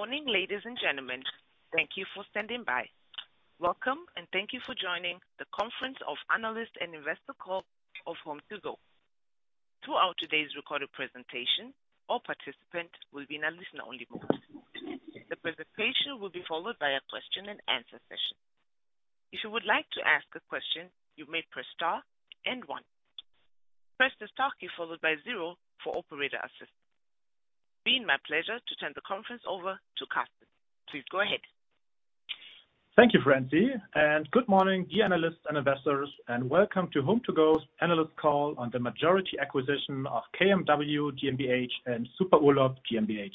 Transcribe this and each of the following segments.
Good morning, ladies and gentlemen. Thank you for standing by. Welcome, and thank you for joining the conference of analyst and investor call of HomeToGo. Throughout today's recorded presentation, all participants will be in a listen-only mode. The presentation will be followed by a question-and-answer session. If you would like to ask a question, you may press star and one. Press the star key, followed by zero for operator assistance. It's been my pleasure to turn the conference over to Carsten. Please go ahead. Thank you, Francine, and good morning, dear analysts and investors, and welcome to HomeToGo's analyst call on the majority acquisition of KMW GmbH and Super Urlaub GmbH.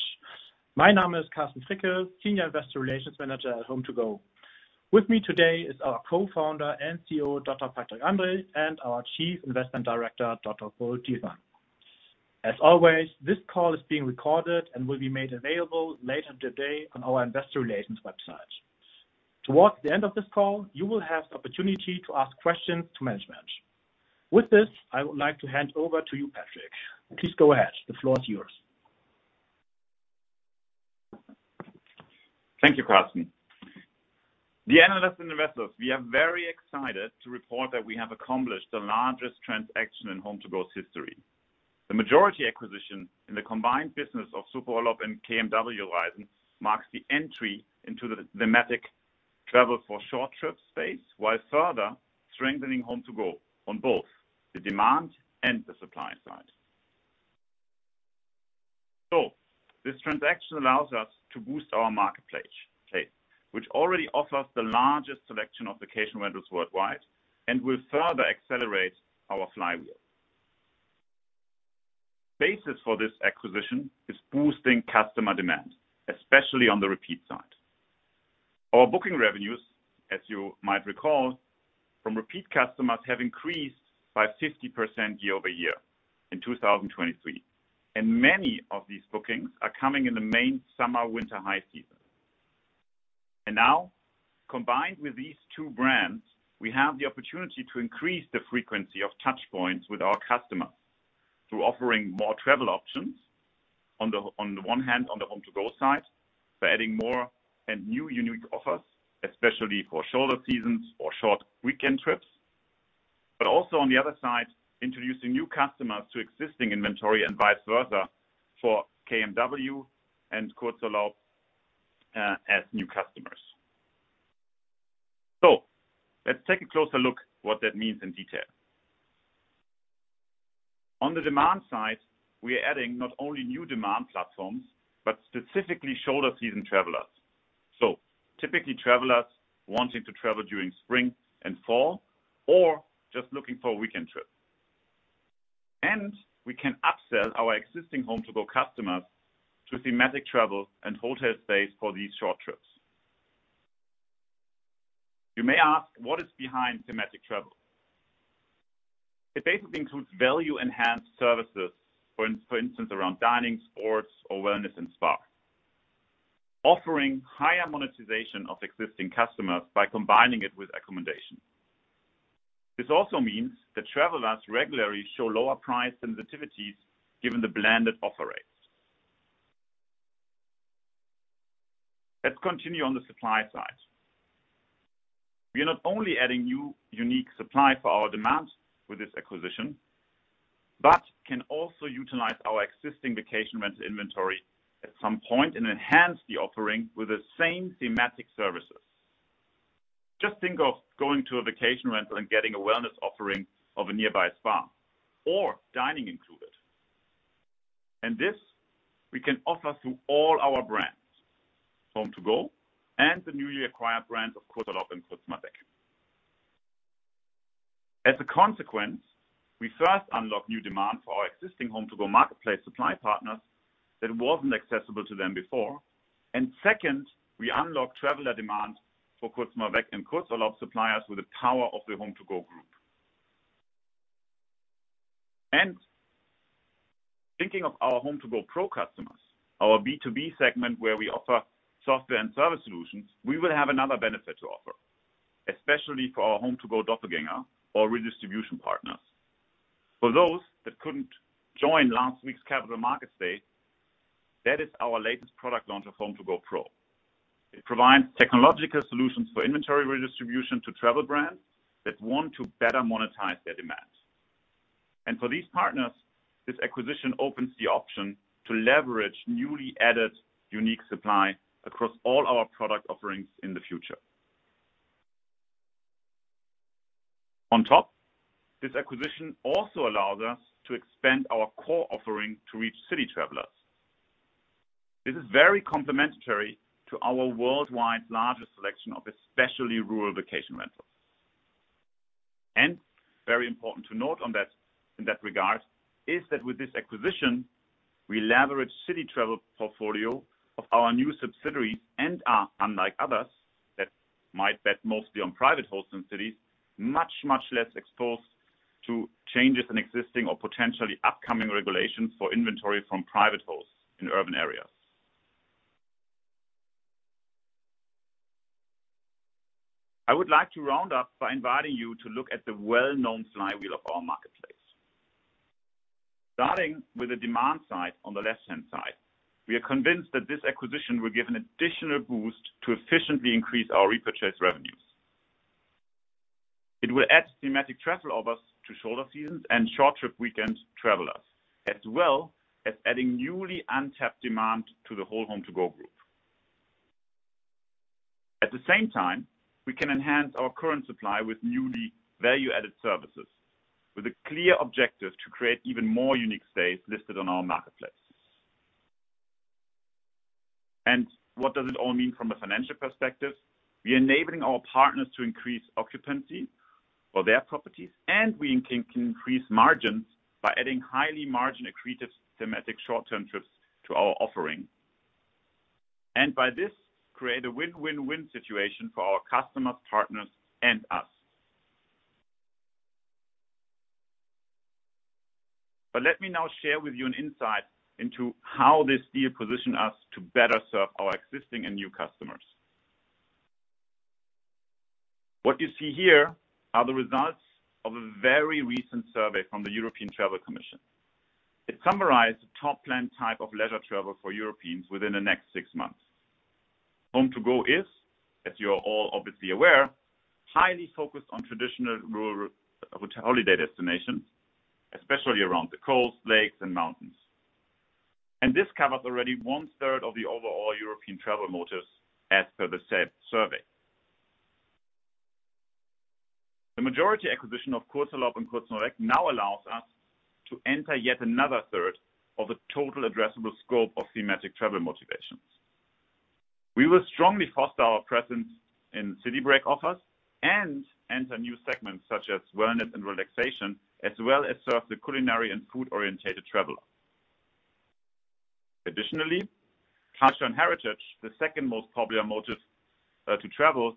My name is Carsten Fricke, Senior Investor Relations Manager at HomeToGo. With me today is our Co-founder and CEO, Dr. Patrick Andrae, and our Chief Investment Director, Dr. Bodo Thielmann. As always, this call is being recorded and will be made available later today on our investor relations website. Towards the end of this call, you will have the opportunity to ask questions to management. With this, I would like to hand over to you, Patrick. Please go ahead. The floor is yours. Thank you, Carsten. Dear analysts and investors, we are very excited to report that we have accomplished the largest transaction in HomeToGo's history. The majority acquisition in the combined business of Super Urlaub and KMW Reisen marks the entry into the thematic travel for short trips space, while further strengthening HomeToGo on both the demand and the supply side. This transaction allows us to boost our marketplace, which already offers the largest selection of vacation rentals worldwide and will further accelerate our flywheel. Basis for this acquisition is boosting customer demand, especially on the repeat side. Our booking revenues, as you might recall, from repeat customers, have increased by 50% year-over-year in 2023, and many of these bookings are coming in the main summer/winter high season. Now, combined with these two brands, we have the opportunity to increase the frequency of touch points with our customers through offering more travel options. On the one hand, on the HomeToGo side, by adding more and new unique offers, especially for shoulder seasons or short weekend trips, but also on the other side, introducing new customers to existing inventory and vice versa for KMW and Kurzurlaub, as new customers. So let's take a closer look what that means in detail. On the demand side, we are adding not only new demand platforms, but specifically shoulder season travelers. So typically travelers wanting to travel during spring and fall or just looking for a weekend trip. And we can upsell our existing HomeToGo customers to thematic travel and hotel space for these short trips. You may ask, what is behind thematic travel? It basically includes value-enhanced services, for instance, around dining, sports, or wellness and spa. Offering higher monetization of existing customers by combining it with accommodation. This also means that travelers regularly show lower price sensitivities given the blended offer rates. Let's continue on the supply side. We are not only adding new unique supply for our demand with this acquisition, but can also utilize our existing vacation rental inventory at some point and enhance the offering with the same thematic services. Just think of going to a vacation rental and getting a wellness offering of a nearby spa or dining included. And this we can offer through all our brands, HomeToGo, and the newly acquired brands, of course, Kurzurlaub and Kurz Mal Weg. As a consequence, we first unlock new demand for our existing HomeToGo Marketplace supply partners that wasn't accessible to them before. Second, we unlock traveler demand for Kurz Mal Weg and Kurzurlaub suppliers with the power of the HomeToGo Group. Thinking of our HomeToGo Pro customers, our B2B segment, where we offer software and service solutions, we will have another benefit to offer, especially for our HomeToGo Doppelgänger or redistribution partners. For those that couldn't join last week's Capital Markets Day, that is our latest product launch of HomeToGo Pro. It provides technological solutions for inventory redistribution to travel brands that want to better monetize their demand. For these partners, this acquisition opens the option to leverage newly added unique supply across all our product offerings in the future. On top, this acquisition also allows us to expand our core offering to reach city travelers. This is very complementary to our worldwide largest selection of especially rural vacation rentals. Very important to note on that, in that regard is that with this acquisition, we leverage city travel portfolio of our new subsidiaries and are, unlike others, that might bet mostly on private hosts in cities, much, much less exposed to changes in existing or potentially upcoming regulations for inventory from private hosts in urban areas. I would like to round up by inviting you to look at the well-known flywheel of our marketplace. Starting with the demand side on the left-hand side, we are convinced that this acquisition will give an additional boost to efficiently increase our repurchase revenues. It will add thematic travel offers to shoulder seasons and short trip weekend travelers, as well as adding newly untapped demand to the whole HomeToGo Group. At the same time, we can enhance our current supply with newly value-added services, with a clear objective to create even more unique stays listed on our marketplace. What does it all mean from a financial perspective? We are enabling our partners to increase occupancy for their properties, and we can increase margins by adding highly margin-accretive thematic short-term trips to our offering. By this, create a win-win-win situation for our customers, partners, and us. Let me now share with you an insight into how this deal positioned us to better serve our existing and new customers. What you see here are the results of a very recent survey from the European Travel Commission. It summarized the top planned type of leisure travel for Europeans within the next six months. HomeToGo is, as you are all obviously aware, highly focused on traditional rural hotel holiday destinations, especially around the coast, lakes, and mountains. This covers already one-third of the overall European travel motives as per the said survey. The majority acquisition of Kurzurlaub and Kurz Mal Weg now allows us to enter yet another third of the total addressable scope of thematic travel motivations. We will strongly foster our presence in city break offers and enter new segments such as wellness and relaxation, as well as serve the culinary and food-oriented traveler. Additionally, culture and heritage, the second most popular motive to travel,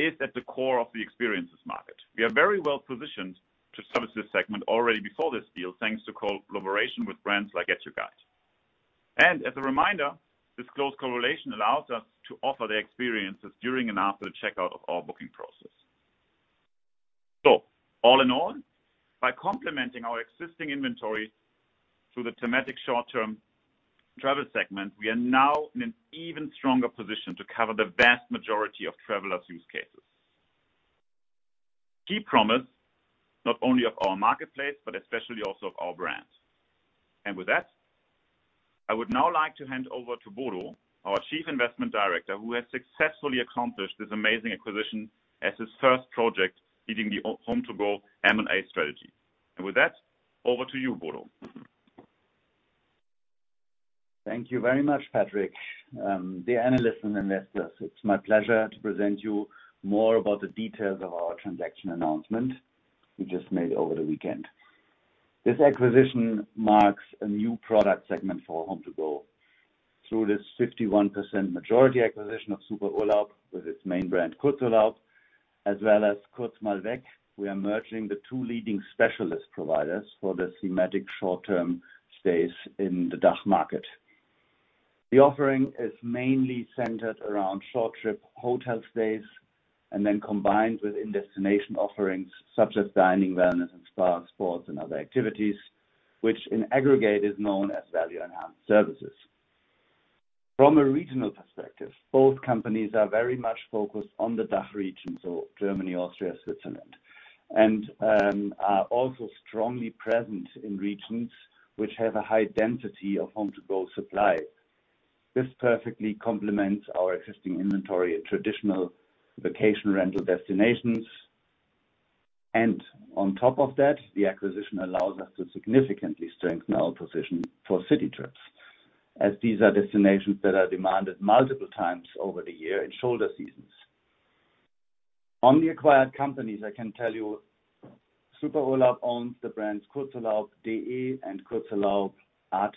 is at the core of the experiences market. We are very well positioned to service this segment already before this deal, thanks to collaboration with brands like GetYourGuide. And as a reminder, this close correlation allows us to offer the experiences during and after the checkout of our booking process. So all in all, by complementing our existing inventory through the thematic short-term travel segment, we are now in an even stronger position to cover the vast majority of travelers' use cases. Key promise, not only of our marketplace, but especially also of our brand. And with that, I would now like to hand over to Bodo, our Chief Investment Director, who has successfully accomplished this amazing acquisition as his first project, leading the HomeToGo M&A strategy. And with that, over to you, Bodo. Thank you very much, Patrick. Dear analysts and investors, it's my pleasure to present you more about the details of our transaction announcement we just made over the weekend. This acquisition marks a new product segment for HomeToGo. Through this 51% majority acquisition of Super Urlaub, with its main brand, Kurzurlaub, as well as Kurz Mal Weg, we are merging the two leading specialist providers for the thematic short-term stays in the DACH market. The offering is mainly centered around short trip hotel stays and then combined with in-destination offerings such as dining, wellness and spa, sports, and other activities, which in aggregate is known as value-enhanced services. From a regional perspective, both companies are very much focused on the DACH region, so Germany, Austria, Switzerland, and are also strongly present in regions which have a high density of HomeToGo supply. This perfectly complements our existing inventory in traditional vacation rental destinations. On top of that, the acquisition allows us to significantly strengthen our position for city trips, as these are destinations that are demanded multiple times over the year in shoulder seasons. On the acquired companies, I can tell you, Super Urlaub owns the brands kurzurlaub.de and kurzurlaub.at,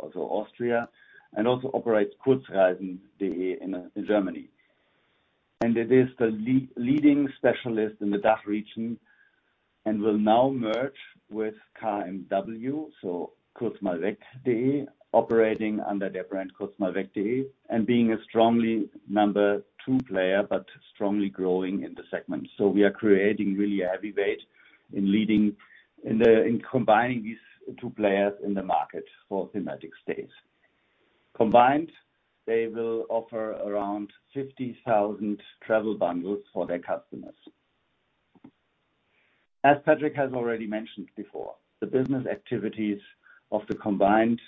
also Austria, and also operates kurzreisen.de in Germany. And it is the leading specialist in the DACH region and will now merge with KMW, so kurz-mal-weg.de, operating under their brand, kurz-mal-weg.de, and being a strongly number two player, but strongly growing in the segment. So we are creating really a heavyweight in leading in combining these two players in the market for thematic stays. Combined, they will offer around 50,000 travel bundles for their customers. As Patrick has already mentioned before, the business activities of the combined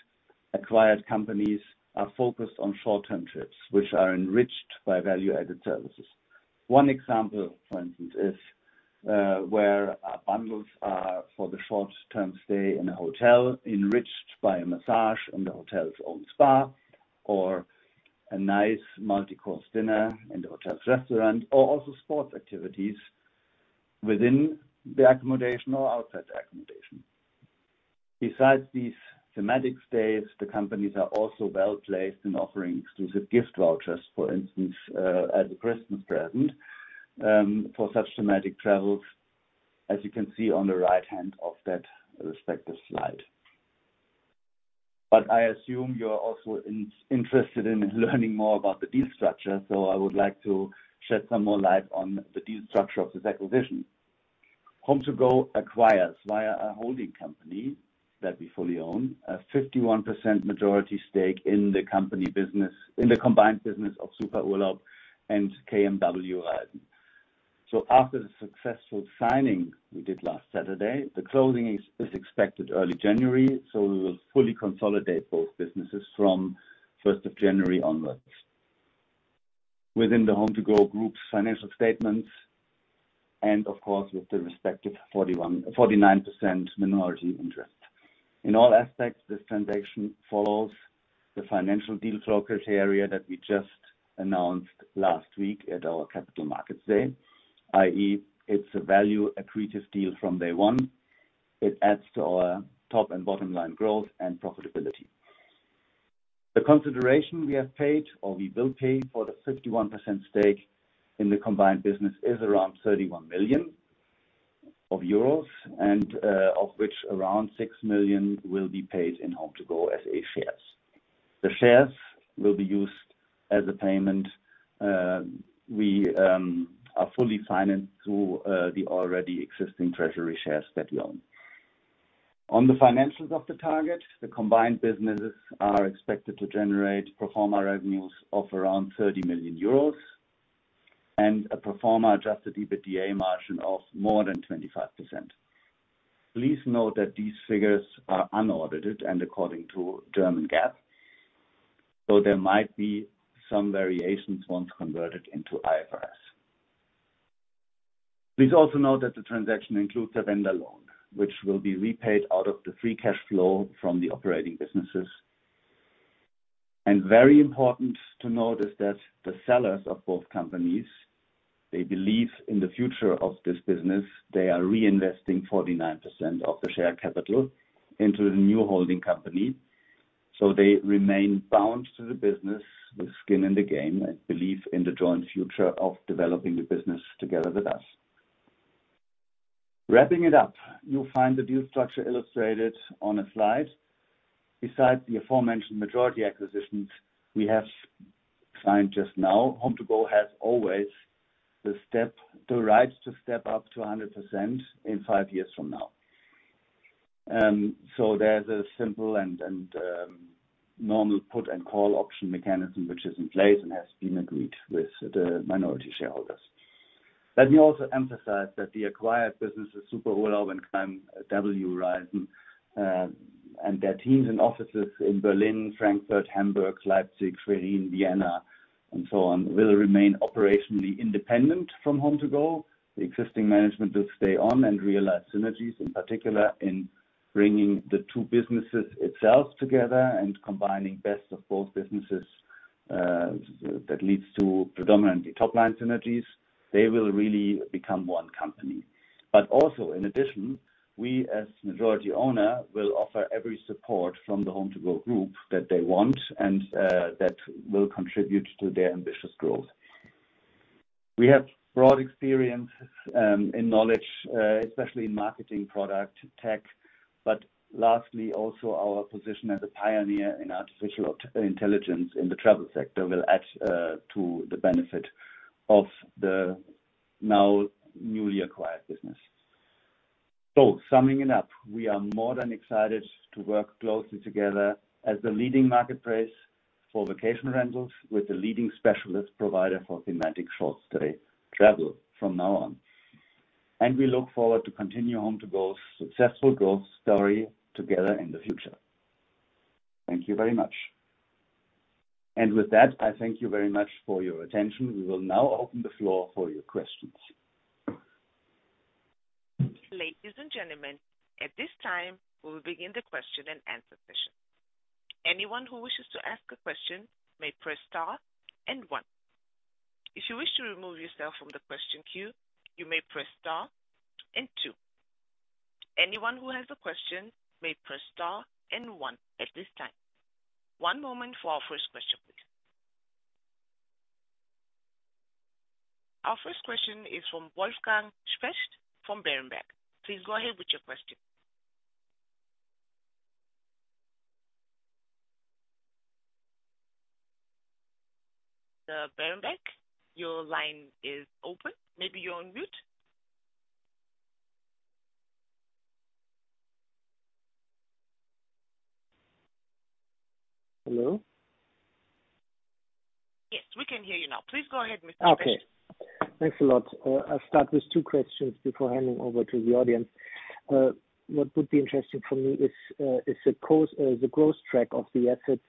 acquired companies are focused on short-term trips, which are enriched by value-added services. One example, for instance, is where our bundles are for the short-term stay in a hotel, enriched by a massage in the hotel's own spa, or a nice multi-course dinner in the hotel's restaurant, or also sports activities within the accommodation or outside the accommodation. Besides these thematic stays, the companies are also well-placed in offering exclusive gift vouchers, for instance, as a Christmas present, for such thematic travels, as you can see on the right-hand of that respective slide. But I assume you're also interested in learning more about the deal structure, so I would like to shed some more light on the deal structure of this acquisition. HomeToGo acquires via a holding company, that we fully own, a 51% majority stake in the company business, in the combined business of Super Urlaub and KMW Reisen. So after the successful signing we did last Saturday, the closing is expected early January, so we will fully consolidate both businesses from first of January onwards. Within the HomeToGo Group's financial statements, and of course, with the respective 49% minority interest. In all aspects, this transaction follows the financial deal brokerage area that we just announced last week at our Capital Markets Day, i.e., it's a value accretive deal from day one. It adds to our top and bottom line growth and profitability. The consideration we have paid or we will pay for the 51% stake in the combined business is around 31 million euros and, of which around 6 million will be paid in HomeToGo SE shares. The shares will be used as a payment. We are fully financed through the already existing treasury shares that we own. On the financials of the target, the combined businesses are expected to generate pro forma revenues of around 30 million euros and a pro forma Adjusted EBITDA margin of more than 25%. Please note that these figures are unaudited and according to German GAAP, so there might be some variations once converted into IFRS. Please also note that the transaction includes a vendor loan, which will be repaid out of the free cash flow from the operating businesses. Very important to note is that the sellers of both companies, they believe in the future of this business, they are reinvesting 49% of the share capital into the new holding company, so they remain bound to the business with skin in the game and believe in the joint future of developing the business together with us. Wrapping it up, you'll find the deal structure illustrated on a slide. Besides the aforementioned majority acquisitions we have signed just now, HomeToGo has always the step, the rights to step up to 100% in five years from now. So there's a simple and normal put and call option mechanism, which is in place and has been agreed with the minority shareholders. Let me also emphasize that the acquired businesses, Super Urlaub and KMW Reisen, and their teams and offices in Berlin, Frankfurt, Hamburg, Leipzig, Vienna, and so on, will remain operationally independent from HomeToGo. The existing management will stay on and realize synergies, in particular, in bringing the two businesses itself together and combining best of both businesses, that leads to predominantly top-line synergies. They will really become one company. But also, in addition, we, as majority owner, will offer every support from the HomeToGo Group that they want and, that will contribute to their ambitious growth. We have broad experience, in knowledge, especially in marketing, product, tech, but lastly, also our position as a pioneer in artificial intelligence in the travel sector will add, to the benefit of the now newly acquired business. Summing it up, we are more than excited to work closely together as the leading marketplace for vacation rentals with the leading specialist provider for thematic short stay travel from now on. We look forward to continue HomeToGo's successful growth story together in the future. Thank you very much. With that, I thank you very much for your attention. We will now open the floor for your questions. Ladies and gentlemen, at this time, we will begin the question and answer session. Anyone who wishes to ask a question may press star and one. If you wish to remove yourself from the question queue, you may press star and two. Anyone who has a question may press star and one at this time. One moment for our first question, please. Our first question is from Wolfgang Specht from Berenberg. Please go ahead with your question. Berenberg, your line is open. Maybe you're on mute? Hello? Yes, we can hear you now. Please go ahead, Mr. Specht. Okay. Thanks a lot. I'll start with two questions before handing over to the audience. What would be interesting for me is the course, the growth track of the assets,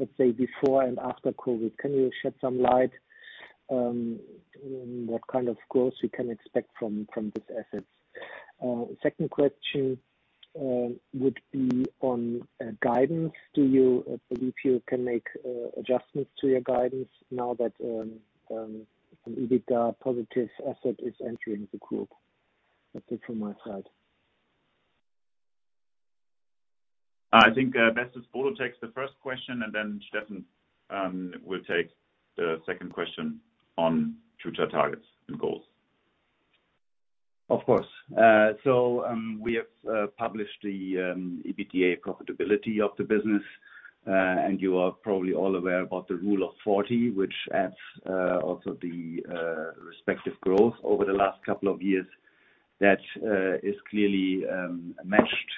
let's say, before and after COVID. Can you shed some light on what kind of growth we can expect from these assets? Second question would be on guidance. Do you believe you can make adjustments to your guidance now that an EBITDA positive asset is entering the group? That's it from my side. I think, Bodo Thielmann takes the first question, and then Steffen will take the second question on future targets and goals. Of course. So, we have published the EBITDA profitability of the business, and you are probably all aware about the Rule of 40, which adds also the respective growth over the last couple of years. That is clearly matched.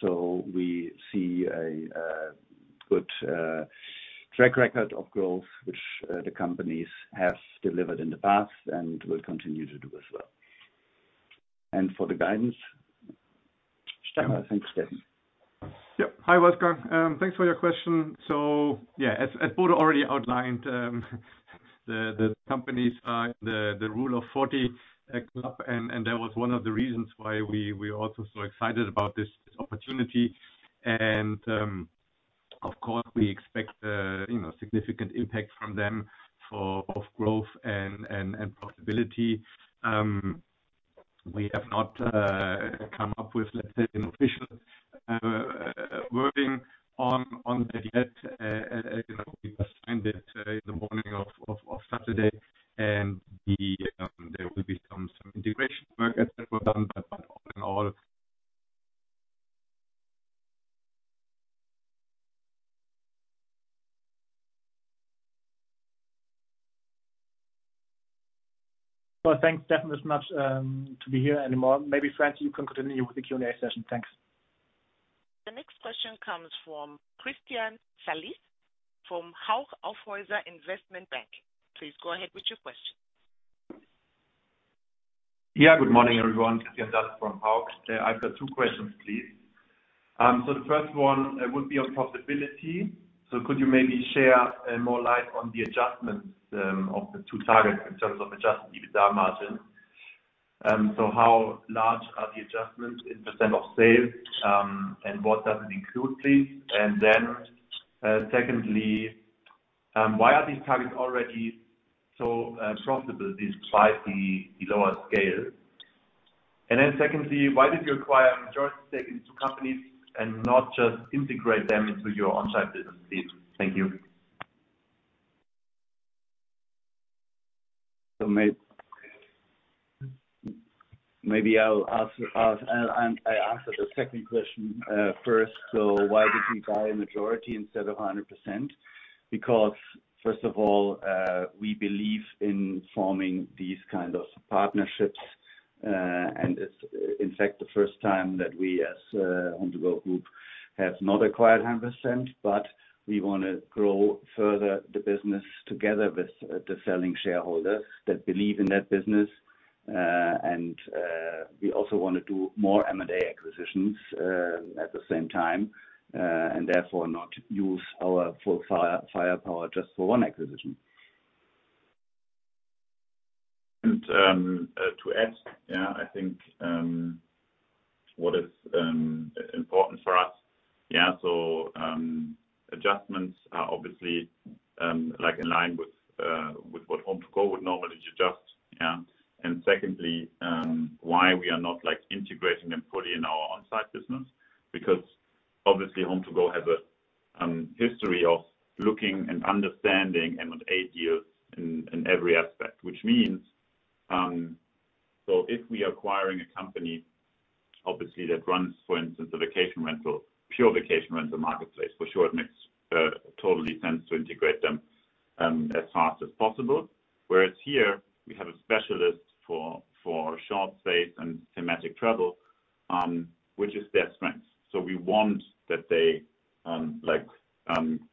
So we see a good track record of growth, which the companies have delivered in the past and will continue to do as well. And for the guidance, Steffen, thanks, Steffen. Yep. Hi, Wolfgang. Thanks for your question. So, yeah, as Bodo already outlined, the companies are the Rule of 40, and that was one of the reasons why we are also so excited about this opportunity. And, of course, we expect, you know, significant impact from them for both growth and profitability. We have not come up with, let's say, an official working on that yet. You know, we just signed it the morning of Saturday, and there will be some integration work that will done, but all in all. Well, thanks, Steffen, as much to be here anymore. Maybe, Francine, you can continue with the Q&A session. Thanks. The next question comes from Christian Salis, from Hauck Aufhäuser Investment Bank. Please go ahead with your question. Yeah, good morning, everyone. Christian Salis from Hauck. I've got two questions, please. So the first one would be on profitability. So could you maybe share more light on the adjustments of the two targets in terms of Adjusted EBITDA margin? So how large are the adjustments in percent of sales, and what does it include, please? And then, secondly, why are these targets already so profitable despite the, the lower scale? And then secondly, why did you acquire majority stake in two companies and not just integrate them into your on-site business, please? Thank you. Maybe I'll answer the second question first. Why did we buy a majority instead of 100%? Because, first of all, we believe in forming these kind of partnerships, and it's, in fact, the first time that we, as HomeToGo Group, have not acquired 100%, but we wanna grow further the business together with the selling shareholders that believe in that business. And we also want to do more M&A acquisitions at the same time, and therefore not use our full firepower just for one acquisition. To add, yeah, I think what is important for us, adjustments are obviously like in line with what HomeToGo would normally adjust. Yeah. Secondly, why we are not like integrating them fully in our on-site business, because obviously, HomeToGo has a history of looking and understanding and with eight years in every aspect. Which means, if we are acquiring a company, obviously that runs, for instance, a vacation rental, pure vacation rental marketplace, for sure, it makes totally sense to integrate them as fast as possible. Whereas here, we have a specialist for short stays and thematic travel, which is their strength. So we want that they like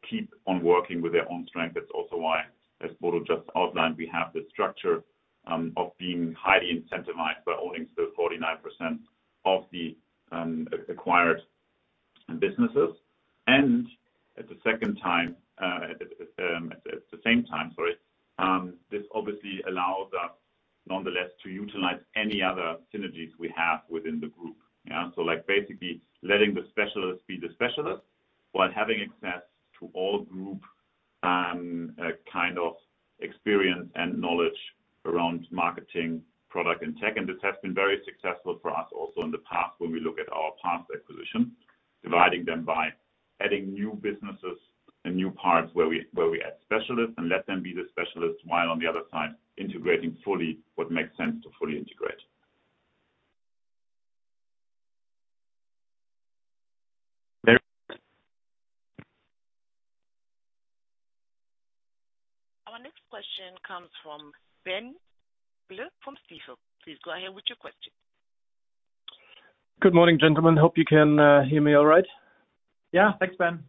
keep on working with their own strength. That's also why, as Bodo just outlined, we have the structure of being highly incentivized by owning still 49% of the acquired businesses. And at the second time, at the same time, sorry, this obviously allows us, nonetheless, to utilize any other synergies we have within the group. Yeah, so like, basically, letting the specialist be the specialist, while having access to all group kind of experience and knowledge around marketing, product, and tech. And this has been very successful for us also in the past, when we look at our past acquisition, dividing them by adding new businesses and new parts where we add specialists and let them be the specialists, while on the other side, integrating fully what makes sense to fully integrate. Very- Our next question comes from Ben Blue from Stifel. Please go ahead with your question. Good morning, gentlemen. Hope you can hear me all right? Yeah, thanks, Ben.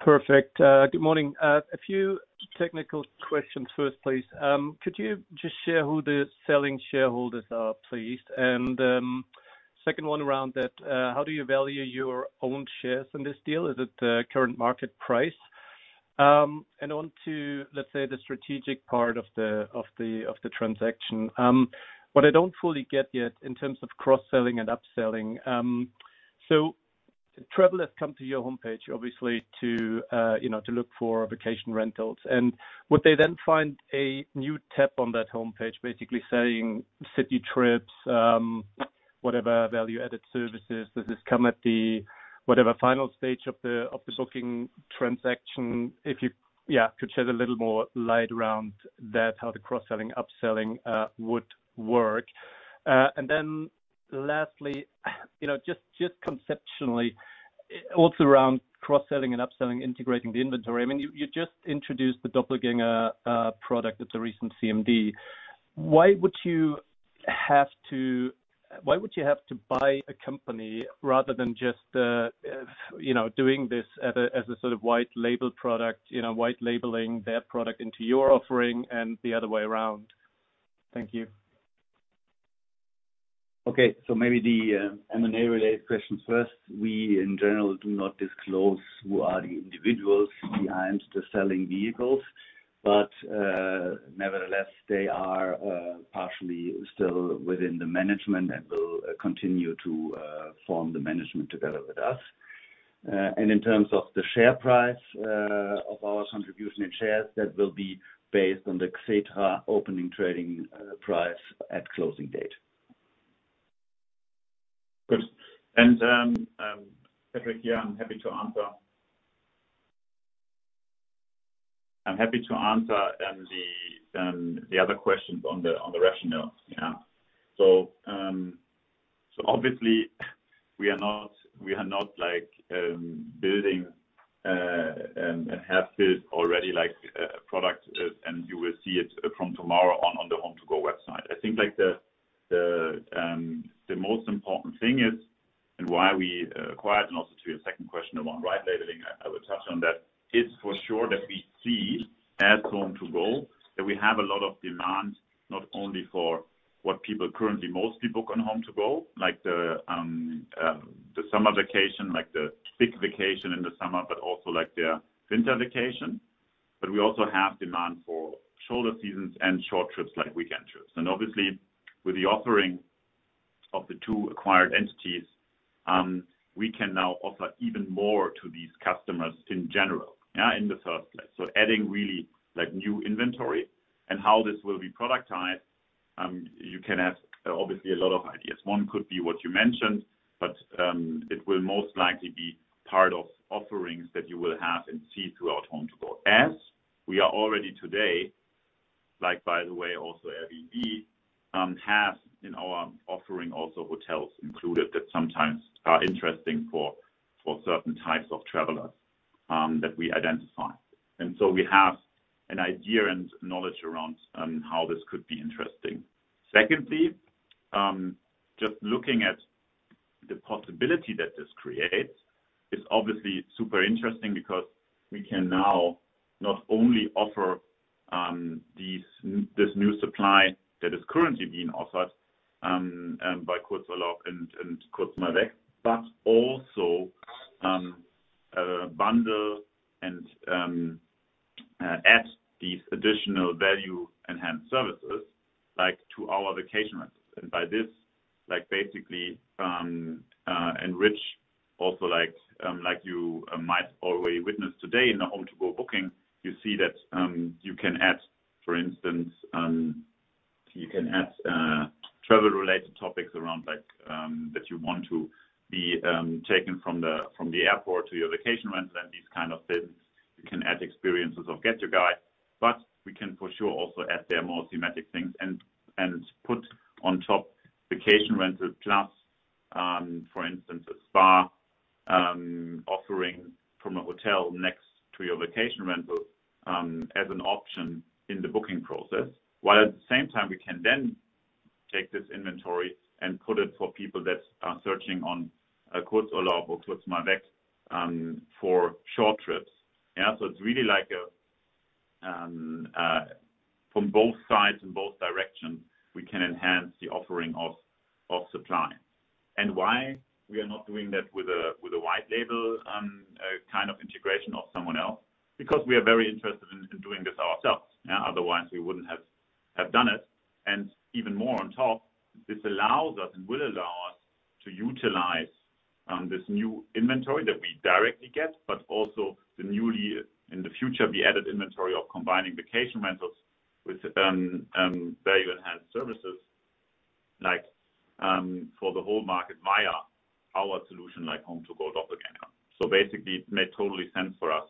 Perfect. Good morning. A few technical questions first, please. Could you just share who the selling shareholders are, please? And second one around that, how do you value your own shares in this deal? Is it the current market price? And on to, let's say, the strategic part of the transaction. What I don't fully get yet in terms of cross-selling and upselling, so travelers come to your homepage, obviously, to you know, to look for vacation rentals. And would they then find a new tab on that homepage, basically saying, "City trips," whatever value added services, does this come at the whatever final stage of the booking transaction? If you could shed a little more light around that, how the cross-selling, upselling would work. And then lastly, you know, just, just conceptually, also around cross-selling and upselling, integrating the inventory. I mean, you, you just introduced the Doppelgänger product at the recent CMD. Why would you have to, why would you have to buy a company rather than just, you know, doing this as a, as a sort of white label product, you know, white labeling their product into your offering and the other way around? Thank you. Okay. So maybe the M&A-related questions first. We, in general, do not disclose who are the individuals behind the selling vehicles, but nevertheless, they are partially still within the management and will continue to form the management together with us. And in terms of the share price of our contribution in shares, that will be based on the Xetra opening trading price at closing date. Good. And, Patrick, here, I'm happy to answer. I'm happy to answer, the other questions on the rationale. Yeah. So, obviously we are not like building a half-filled already, like, product, and you will see it from tomorrow on the HomeToGo website. I think, like, the most important thing is, and why we acquired, and also to your second question about right labeling, I will touch on that. It's for sure that we see as HomeToGo, that we have a lot of demand, not only for what people currently most people book on HomeToGo, like the summer vacation, like the big vacation in the summer, but also like their winter vacation. But we also have demand for shorter seasons and short trips, like weekend trips. Obviously, with the offering of the two acquired entities, we can now offer even more to these customers in general. Yeah, in the first place. Adding really, like, new inventory and how this will be productized, you can have obviously a lot of ideas. One could be what you mentioned, but it will most likely be part of offerings that you will have and see throughout HomeToGo. As we are already today, like, by the way, also Airbnb have in our offering also hotels included that sometimes are interesting for certain types of travelers that we identify. So we have an idea and knowledge around how this could be interesting. Secondly, just looking at the possibility that this creates, is obviously super interesting because we can now not only offer, this new supply that is currently being offered, by Kurzurlaub and Kurz Mal Weg, but also, bundle and add these additional value-enhanced services, like, to our vacation rents. And by this, like, basically, enrich also like, like you might already witness today in the HomeToGo booking, you see that, you can add, for instance, travel-related topics around, like, that you want to be taken from the airport to your vacation rental and these kind of things. You can add experiences of GetYourGuide, but we can for sure also add their more thematic things and put on top vacation rental plus, for instance, a spa offering from a hotel next to your vacation rental as an option in the booking process, while at the same time we can then take this inventory and put it for people that are searching on Kurzurlaub or Kurz Mal Weg for short trips. Yeah, so it's really like a from both sides and both directions, we can enhance the offering of supply. And why we are not doing that with a white label kind of integration of someone else? Because we are very interested in doing this ourselves, yeah. Otherwise, we wouldn't have done it. Even more on top, this allows us, and will allow us, to utilize this new inventory that we directly get, but also the newly, in the future, the added inventory of combining vacation rentals with very enhanced services, like, for the whole market via our solution, like HomeToGo Doppelgänger. So basically, it made totally sense for us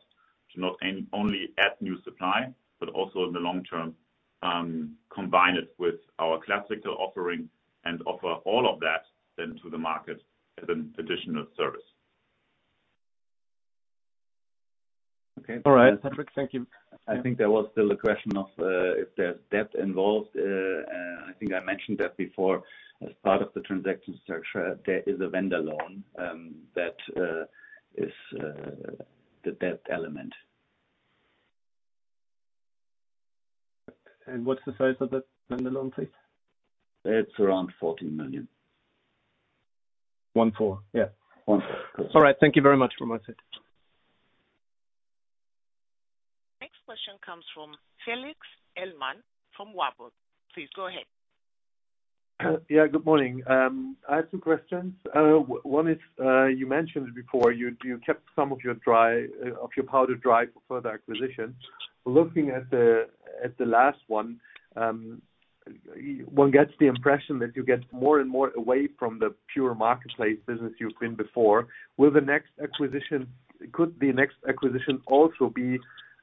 to not only add new supply, but also in the long term, combine it with our classical offering and offer all of that then to the market as an additional service. Okay. All right, Patrick, thank you. I think there was still a question of if there's debt involved. I think I mentioned that before. As part of the transaction structure, there is a vendor loan that is the debt element. What's the size of that vendor loan, please? It's around 14 million. One four? Yeah. One four. All right. Thank you very much from my side. Next question comes from Felix Ellmann from Warburg. Please go ahead. Yeah, good morning. I have two questions. One is, you mentioned before you kept some of your powder dry for further acquisition. Looking at the last one, one gets the impression that you get more and more away from the pure marketplace business you've been before. Will the next acquisition - Could the next acquisition also be,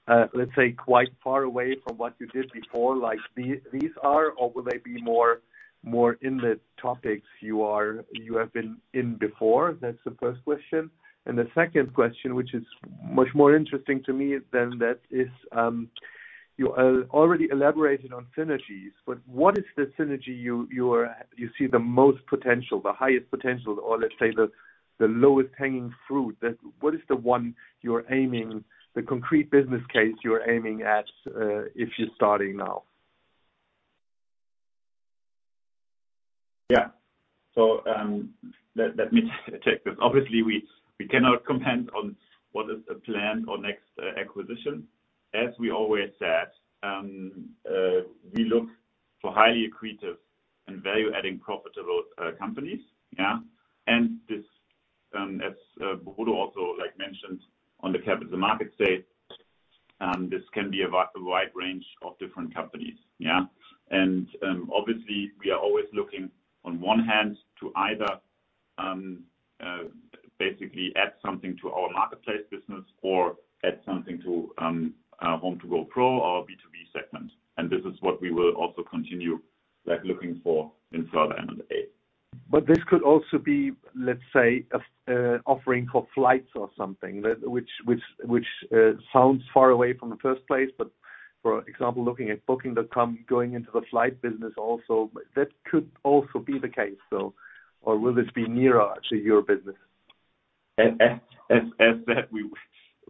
let's say, quite far away from what you did before, like the, these are, or will they be more, more in the topics you are, you have been in before? That's the first question. And the second question, which is much more interesting to me than that, is, you already elaborated on synergies, but what is the synergy you, you are, you see the most potential, the highest potential, or let's say, the, the lowest hanging fruit? That, what is the one you're aiming, the concrete business case you're aiming at, if you're starting now? Yeah. So, let me check this. Obviously, we cannot comment on what is a plan or next acquisition. As we always said, we look for highly accretive and value-adding profitable companies, yeah? And this, as Bodo also like mentioned on the Capital Markets Day, this can be a wide range of different companies, yeah? And, obviously, we are always looking, on one hand, to either basically add something to our marketplace business or add something to our HomeToGo Pro, our B2B segment. And this is what we will also continue like looking for in further M&A. But this could also be, let's say, an offering for flights or something, that which sounds far away from the first place. But for example, looking at Booking.com, going into the flight business also, that could also be the case, though. Or will this be nearer to your business? As that,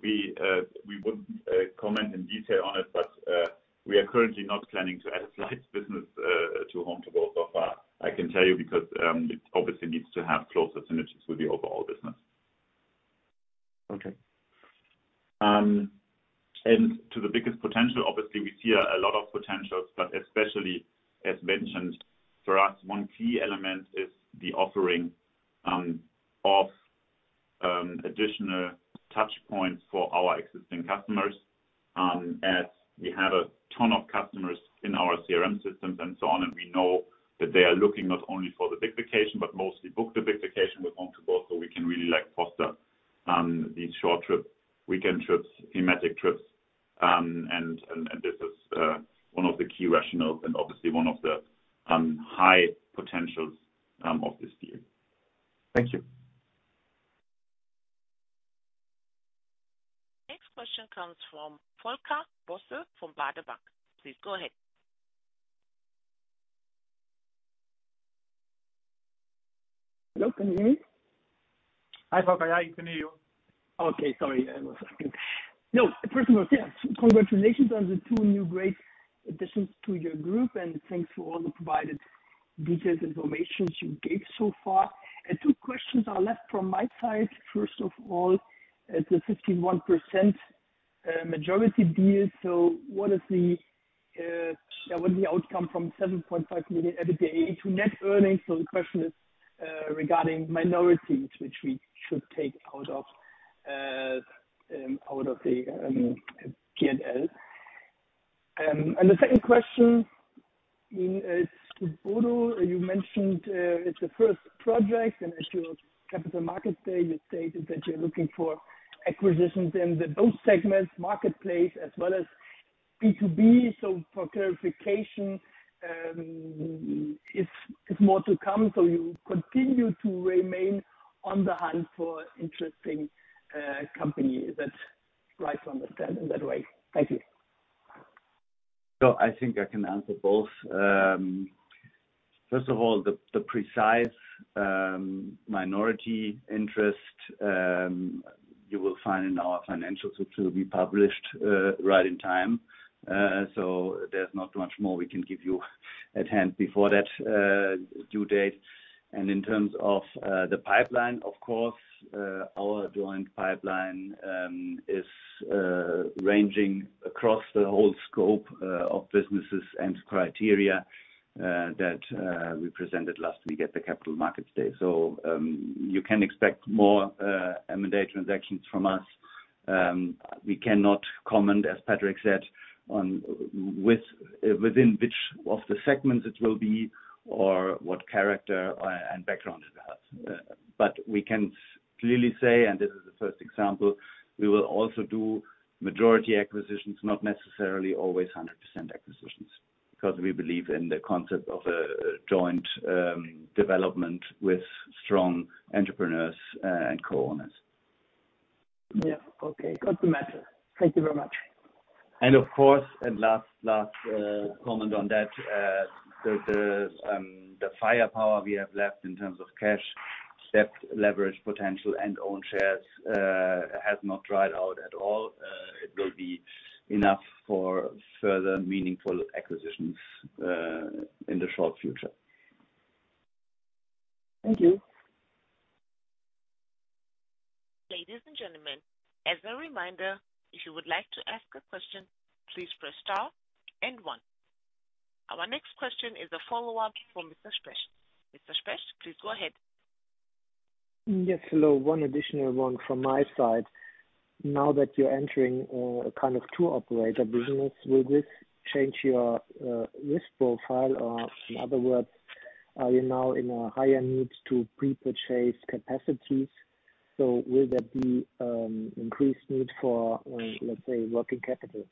we wouldn't comment in detail on it, but we are currently not planning to add a flights business to HomeToGo so far. I can tell you because it obviously needs to have closer synergies with the overall business. Okay. And to the biggest potential, obviously, we see a lot of potentials, but especially as mentioned, for us, one key element is the offering of additional touchpoints for our existing customers, as we have a ton of customers in our CRM systems and so on, and we know that they are looking not only for the big vacation, but mostly book the big vacation with HomeToGo, so we can really, like, foster these short trips, weekend trips, thematic trips. And this is one of the key rationales and obviously one of the high potentials of this deal. Thank you. Next question comes from Volker Bosse, from Baader Bank. Please go ahead. Hello, can you hear me? Hi, Volker. I can hear you. Okay, sorry. No, first of all, yeah, congratulations on the two new great additions to your group, and thanks for all the provided detailed information you gave so far. Two questions are left from my side. First of all, the 51% majority deal. So what is the outcome from 7.5 million EBITDA to net earnings? So the question is regarding minorities, which we should take out of the P&L. And the second question to Bodo, you mentioned it's the first project, and at your Capital Markets Day, you stated that you're looking for acquisitions in both segments, marketplace as well as B2B. So for clarification, if it's more to come, so you continue to remain on the hunt for interesting company. Is that right to understand in that way? Thank you. I think I can answer both. First of all, the precise minority interest you will find in our financials, which will be published right on time. There's not much more we can give you at hand before that due date. In terms of the pipeline, of course, our joint pipeline is ranging across the whole scope of businesses and criteria that we presented last week at the Capital Markets Day. You can expect more M&A transactions from us. We cannot comment, as Patrick said, on within which of the segments it will be or what character and background it has. But we can clearly say, and this is the first example, we will also do majority acquisitions, not necessarily always 100% acquisitions, because we believe in the concept of a joint development with strong entrepreneurs, and co-owners. Yeah. Okay, got the message. Thank you very much. Of course, last comment on that, the firepower we have left in terms of cash, debt, leverage, potential, and own shares has not dried out at all. It will be enough for further meaningful acquisitions in the short future. Thank you. Ladies and gentlemen, as a reminder, if you would like to ask a question, please press star and one. Our next question is a follow-up from Mr. Specht. Mr. Specht, please go ahead. Yes, hello. One additional one from my side. Now that you're entering a kind of tour operator business, will this change your risk profile? Or in other words, are you now in a higher need to pre-purchase capacities? So will there be increased need for, let's say, working capital?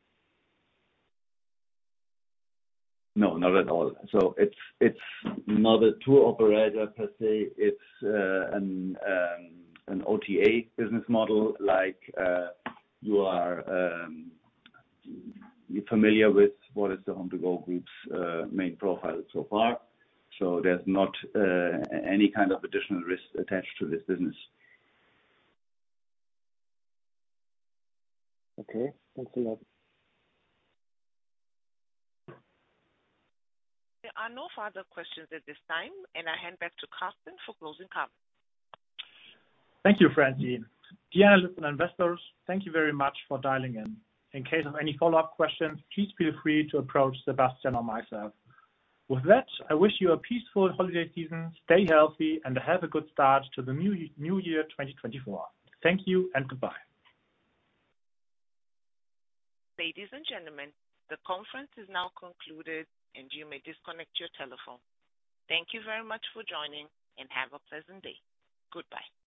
No, not at all. So it's not a tour operator, per se. It's an OTA business model, like you're familiar with what is the HomeToGo Group's main profile so far. So there's not any kind of additional risk attached to this business. Okay, thanks a lot. There are no further questions at this time, and I hand back to Carsten for closing comments. Thank you, Francine. Dear analysts and investors, thank you very much for dialing in. In case of any follow-up questions, please feel free to approach Sebastian or myself. With that, I wish you a peaceful holiday season, stay healthy, and have a good start to the new year, 2024. Thank you and goodbye. Ladies and gentlemen, the conference is now concluded, and you may disconnect your telephone. Thank you very much for joining, and have a pleasant day. Goodbye.